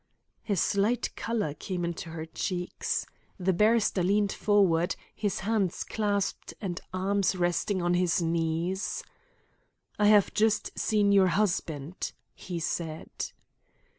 A slight colour came into her cheeks. The barrister leaned forward, his hands clasped and arms resting on his knees. "I have just seen your husband," he said.